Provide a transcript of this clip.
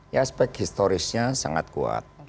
ya aspek historisnya sangat kuat